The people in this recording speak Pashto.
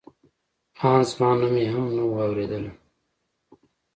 ان زما نوم یې هم نه و اورېدلی.